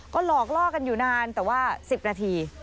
ก็หลอกล่อกันอยู่นานแต่ว่า๑๐นาที